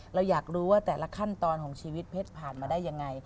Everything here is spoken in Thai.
เราอยากรู้ว่าแต่ละขั้นตอนของชีวิตเพชรผ่านมาได้ยังไง